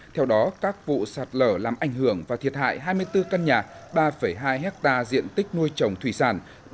theo đó các vụ sạt lở làm ảnh hưởng và thiệt hại hai mươi bốn căn nhà ba hai hectare diện tích nuôi trồng thủy sản